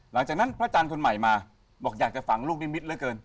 หลังจากนั้นพระอาจารย์คนใหม่มาบอกอยากจะฝังลูกนิมิตเหลือเกิน